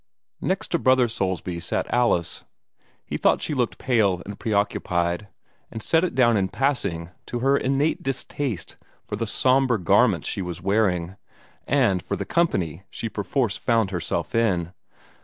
Next to Brother Soulsby sat Alice. He thought she looked pale and preoccupied, and set it down in passing to her innate distaste for the somber garments she was wearing, and for the company she perforce found herself in.